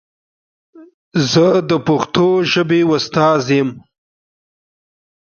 زه د پښتو ژبې استاد یم.